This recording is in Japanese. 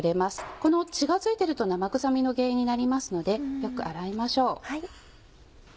この血が付いてると生臭みの原因になりますのでよく洗いましょう。